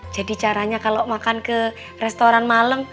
jadi caranya kalo makan ke restoran malem